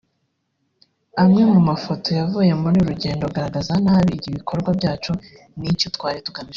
amwe mu mafoto yavuye muri uru rugendo agaragaza nabi ibikorwa byacu n’icyo twari tugamije